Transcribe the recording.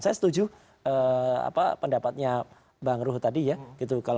saya setuju pendapatnya bang ruhut tadi ya